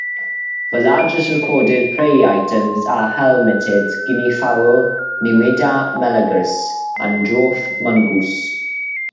The largest recorded prey items are helmeted guineafowl "Numida meleagris" and dwarf mongoose.